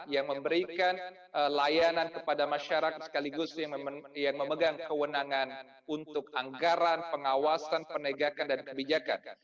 yang memberikan layanan kepada masyarakat sekaligus yang memegang kewenangan untuk anggaran pengawasan penegakan dan kebijakan